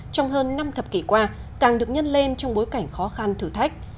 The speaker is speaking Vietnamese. trong hơn năm thập kỷ qua càng được nhân lên trong bối cảnh khó khăn thử thách